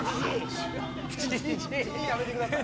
「ジジイ」やめてください。